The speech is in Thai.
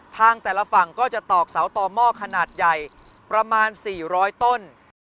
ทางแต่ละฝั่งก็จะตอกเสาต่อหม้อขนาดใหญ่ประมาณ๔๐๐ต้น